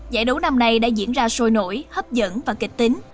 giải đấu năm nay đã diễn ra sôi nổi hấp dẫn và kịch tính